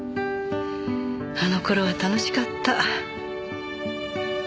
あの頃は楽しかった。